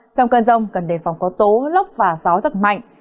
trong cơn rông cần đề phòng có tố lốc và gió giật mạnh